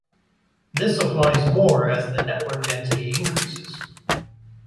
This applies more as the network density increases.